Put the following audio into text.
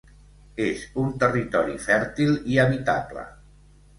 És un territori fèrtil i habitable.